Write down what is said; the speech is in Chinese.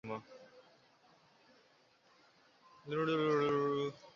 早期先后有范源濂被任命校长。